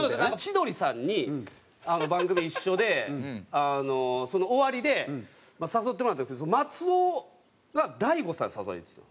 千鳥さんに番組一緒でその終わりで誘ってもらったんですけど松尾が大悟さんに誘われてる。